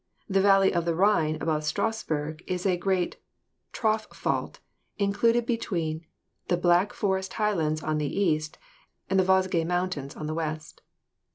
The valley of the Rhine above Strassburg is a great trough fault included between the Black Forest highlands on the east and the Vosges Mountains on the west.